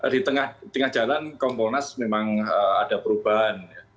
di tengah jalan kompolnas memang ada perubahan